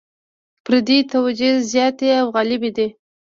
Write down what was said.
فردي توجیې زیاتې او غالبې دي.